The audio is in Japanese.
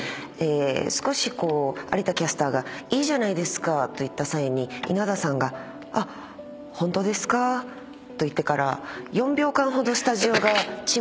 少しこう有田キャスターが「いいじゃないですか」と言った際に稲田さんが「あっホントですか？」と言ってから。